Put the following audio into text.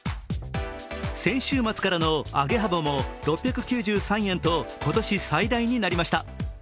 先週末からの上げ幅も６９３円と今年最大になりました。